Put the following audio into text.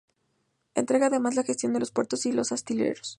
Entregaba además la gestión de los puertos y de los astilleros.